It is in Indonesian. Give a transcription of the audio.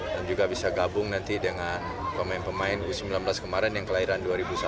dan juga bisa gabung nanti dengan pemain pemain u sembilan belas kemarin yang kelahiran dua ribu satu